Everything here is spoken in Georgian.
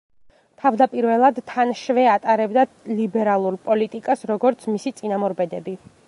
თავდაპირველად თან შვე ატარებდა ლიბერალურ პოლიტიკას, როგორც მისი წინამორბედები.